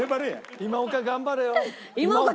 今岡頑張れよ。